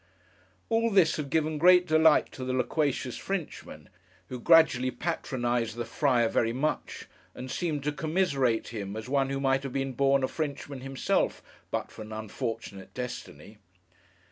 All this had given great delight to the loquacious Frenchman, who gradually patronised the Friar very much, and seemed to commiserate him as one who might have been born a Frenchman himself, but for an unfortunate destiny.